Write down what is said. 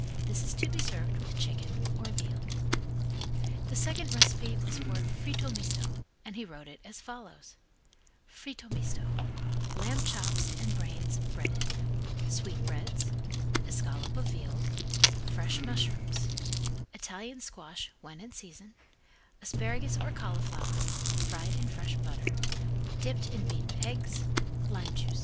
This is to be served with chicken or veal. The second recipe was for Fritto Misto, and he wrote it as follows: Fritto Misto "Lamb chops and brains breaded sweetbreads escallop of veal fresh mushrooms Italian squash when in season asparagus or cauliflower fried in fresh butter dipped in beaten eggs lime jus."